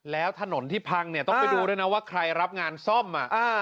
แล้วถนนที่พังเนี่ยต้องไปดูด้วยนะว่าใครรับงานซ่อม